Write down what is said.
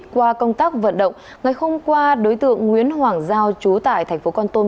qua công tác vận động ngày hôm qua đối tượng nguyễn hoàng giao trú tại tp con tôm